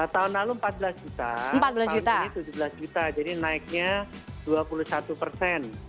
tahun lalu empat belas juta tahun ini tujuh belas juta jadi naiknya dua puluh satu persen